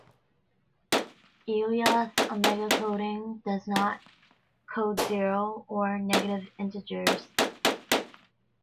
Elias omega coding does not code zero or negative integers.